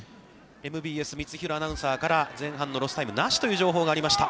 ＭＢＳ三ツ廣アナウンサーから、前半のロスタイムなしという情報がありました。